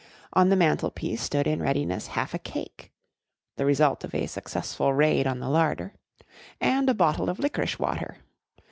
On the mantel piece stood in readiness half a cake (the result of a successful raid on the larder) and a bottle of licorice water.